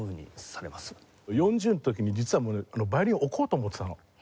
４０の時に実はヴァイオリンを置こうと思ってたの。